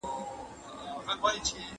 بزګرانو ته د حکومت لخوا څه مرستې ورکول کيدي؟